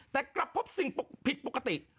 แต่กลับพบสิ่งผิดปกติ